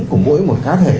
của mỗi một cá thể